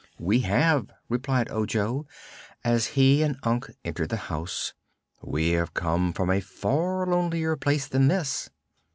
"We have," replied Ojo, as he and Unc entered the house. "We have come from a far lonelier place than this."